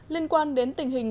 liên quan đến tình hình